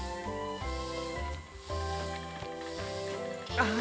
ああ！